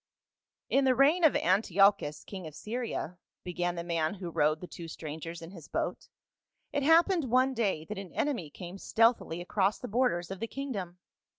" TN the reign of Antiochus, king of Syria," began I the man who rowed the two strangers in his boat, " it happened one day that an enemy came stealthily across the borders of the kingdom.